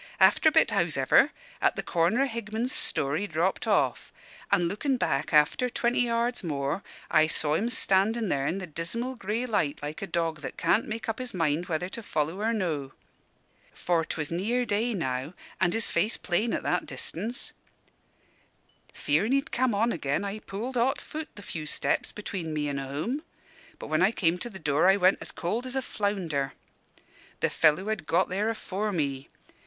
After a bit, hows'ever, at the corner o' Higman's store, he dropped off; an' lookin' back after twenty yards more, I saw him standin' there in the dismal grey light like a dog that can't make up his mind whether to follow or no. For 'twas near day now, an' his face plain at that distance. Fearin' he'd come on again, I pulled hot foot the few steps between me an' home. But when I came to the door, I went cold as a flounder. "The fellow had got there afore me.